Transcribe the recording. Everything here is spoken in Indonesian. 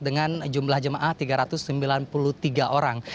dengan jumlah jemaah tiga ratus sembilan puluh tiga orang